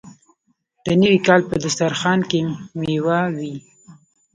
د نوي کال په دسترخان کې میوه وي.